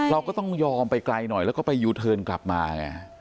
เราก็ต้องยอมไปไกลหน่อยแล้วก็ไปยูเทิร์นกลับมาไง